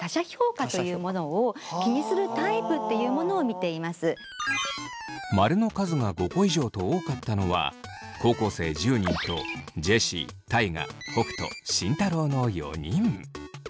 つまり○の数が５個以上と多かったのは高校生１０人とジェシー大我北斗慎太郎の４人。